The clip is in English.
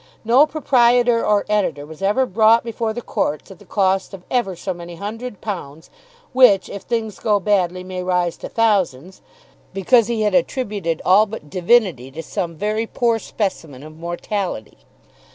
No proprietor or editor was ever brought before the courts at the cost of ever so many hundred pounds, which if things go badly may rise to thousands, because he had attributed all but divinity to some very poor specimen of mortality.